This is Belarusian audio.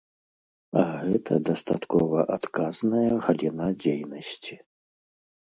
А гэта дастаткова адказная галіна дзейнасці.